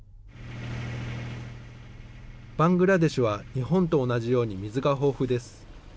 バングラデシュは日本と同じように水が豊富です。